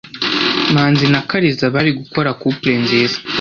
Manzi na Kariza bari gukora couple nziza.